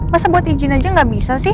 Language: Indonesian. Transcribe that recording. masa buat izin aja nggak bisa sih